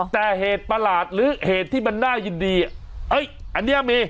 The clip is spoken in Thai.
แต่เหตุประหลาดหรือเหตุที่มันน่ายินดีเอ้ยอันนี้มี